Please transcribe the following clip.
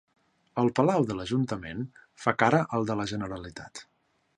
El palau de l'Ajuntament fa cara al de la Generalitat.